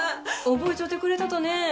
覚えちょってくれたとね！